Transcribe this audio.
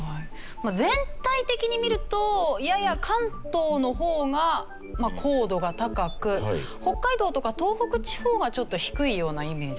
全体的に見るとやや関東の方が硬度が高く北海道とか東北地方がちょっと低いようなイメージですかね。